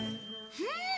うん！